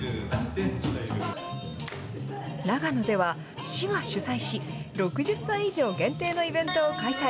長野では、市が主催し、６０歳以上限定のイベントを開催。